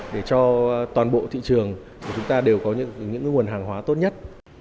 để cho toàn bộ thị trường của chúng ta đều có những nguồn hàng hóa tốt nhất